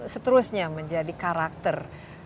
seterusnya menjadi karakter